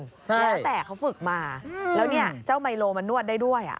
แล้วแต่เขาฝึกมาแล้วเนี่ยเจ้าไมโลมันนวดได้ด้วย